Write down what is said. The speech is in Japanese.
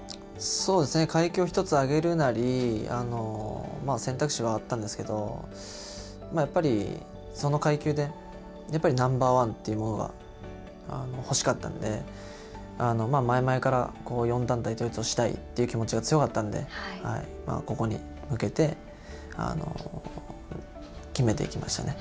そうですね、階級を１つ上げるなり、選択肢はあったんですけど、やっぱり、その階級で、やっぱりナンバー１っていうものが欲しかったので、前々から４団体統一をしたいっていう気持ちが強かったので、ここに向けて、決めていきましたね。